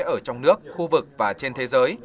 ở trong nước khu vực và trên thế giới